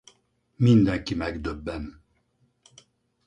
Mindenki megdöbben.